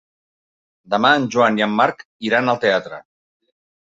Demà en Joan i en Marc iran al teatre.